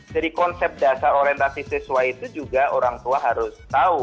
jadi konsep dasar orientasi siswa itu juga orang tua harus tahu